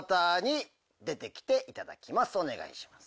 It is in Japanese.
お願いします。